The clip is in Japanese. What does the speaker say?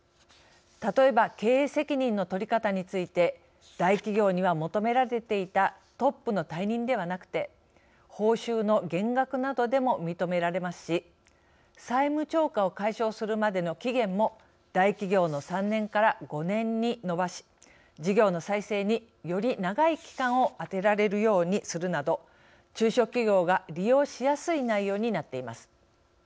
例えば経営責任の取り方について大企業には求められていたトップの退任ではなくて報酬の減額などでも認められますし債務超過を解消するまでの期限も大企業の３年から５年に延ばし事業の再生により長い期間を充てられるようにするなど中小企業が利用しやすい内容になっています。